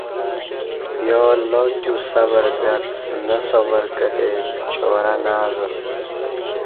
یا اللہ تیو صبر گڅ نہ صبر کتی چارہ نہ ازہ